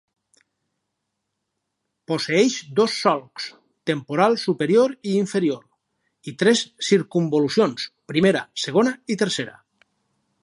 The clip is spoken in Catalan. Posseeix dos solcs, temporal superior i inferior, i tres circumvolucions, primera, segona i tercera.